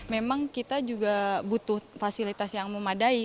memang kita juga butuh fasilitas yang memadai